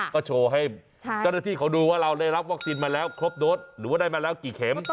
ก็โชว์ให้เจ้าหน้าที่เขาดูว่าเราได้รับวัคซีนมาแล้วครบโดสหรือว่าได้มาแล้วกี่เข็ม